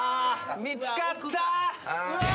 見つかった！